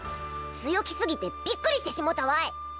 強気すぎてびっくりしてしもうたわい！